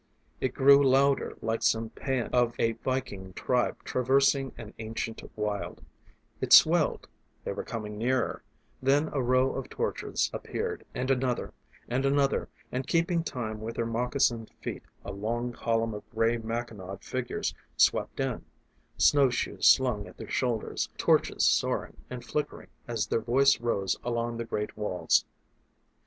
It grew louder like some pæan of a viking tribe traversing an ancient wild; it swelled they were coming nearer; then a row of torches appeared, and another and another, and keeping time with their moccasined feet a long column of gray mackinawed figures swept in, snow shoes slung at their shoulders, torches soaring and flickering as their voice rose along the great walls.